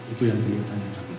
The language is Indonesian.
itu yang beliau tanyakan